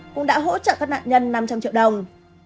cũng đã hỗ trợ các nạn nhân năm trăm linh triệu đồng